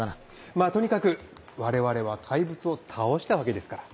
まぁとにかく我々は怪物を倒したわけですから。